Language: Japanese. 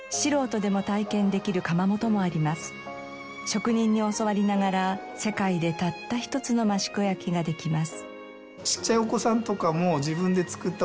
職人に教わりながら世界でたった一つの益子焼ができます。